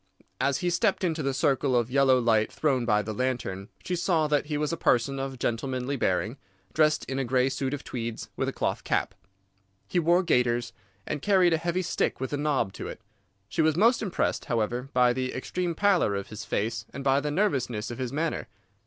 As he stepped into the circle of yellow light thrown by the lantern she saw that he was a person of gentlemanly bearing, dressed in a grey suit of tweeds, with a cloth cap. He wore gaiters, and carried a heavy stick with a knob to it. She was most impressed, however, by the extreme pallor of his face and by the nervousness of his manner.